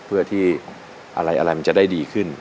เพื่อที่อะไรมันจะได้ดีขึ้น